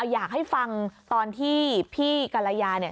อยากให้ฟังตอนที่พี่กัลลายา